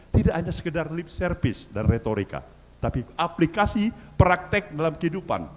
tidak hanya sekedar lip service dan retorika tapi aplikasi praktek dalam kehidupan